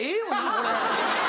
これ。